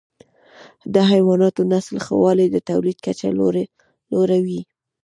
د حیواناتو نسل ښه والی د تولید کچه لوړه وي.